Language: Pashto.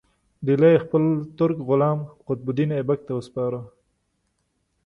ډهلی یې خپل ترک غلام قطب الدین ایبک ته وسپاره.